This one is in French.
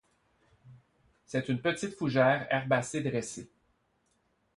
C'est une petite fougère herbacée dressée.